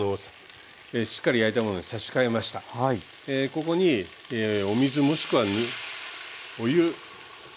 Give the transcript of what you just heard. ここにお水もしくはお湯。